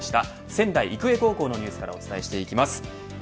仙台育英高校のニュースからお伝えしていきます。